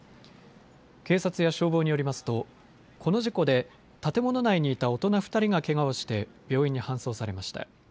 警察や消防によりますとこの事故で建物内にいた大人２人がけがをして病院に搬送されました。